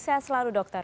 sehat selalu dokter